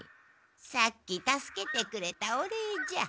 さっき助けてくれたお礼じゃ。